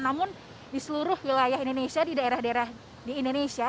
namun di seluruh wilayah indonesia di daerah daerah di indonesia